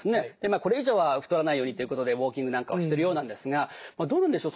これ以上は太らないようにということでウォーキングなんかをしてるようなんですがどうなんでしょう？